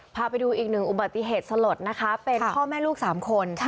พาไปดูอีกหนึ่งอุบัติเหตุสลดนะคะเป็นพ่อแม่ลูก๓คน